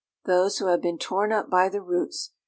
"Those who have been torn up by the roots